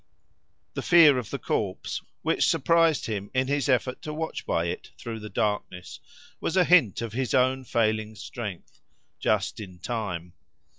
The fear of the corpse, which surprised him in his effort to watch by it through the darkness, was a hint of his own failing strength, just in time.